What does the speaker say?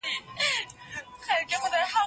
زه پرون د کتابتون پاکوالی کوم!.